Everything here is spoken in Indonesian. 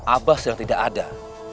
abah sedang tidak ada